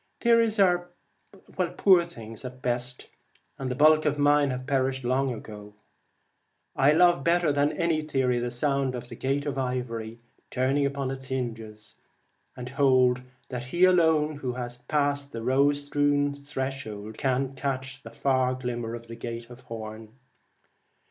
Theories are poor things at the best, and the bulk of mine have perished long ago. I love better than any theory the sound of the Gate of Ivory, turning upon its hinges, 95 The and hold that he alone who has passed the Celtic Twilight, rose strewn threshold can catch the far glimmer of the Gate of Horn.